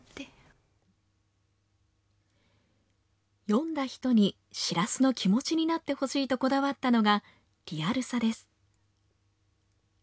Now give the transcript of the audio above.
読んだ人にしらすの気持ちになってほしいとこだわったのが、リアルさです。